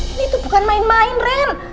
ini tuh bukan main main ren